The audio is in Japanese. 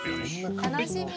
楽しみ。